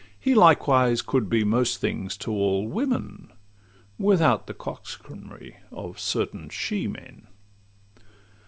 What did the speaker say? He likewise could be most things to all women, Without the coxcombry of certain she men.